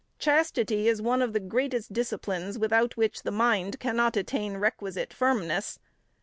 Chastity is one of the greatest disciplines without which the mind cannot attain requisite firmness.